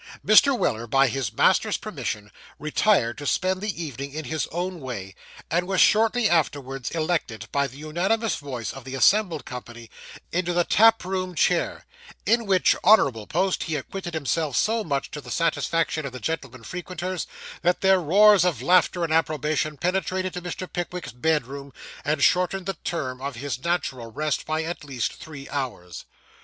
Mr. Weller, by his master's permission, retired to spend the evening in his own way; and was shortly afterwards elected, by the unanimous voice of the assembled company, into the taproom chair, in which honourable post he acquitted himself so much to the satisfaction of the gentlemen frequenters, that their roars of laughter and approbation penetrated to Mr. Pickwick's bedroom, and shortened the term of his natural rest by at least three hours.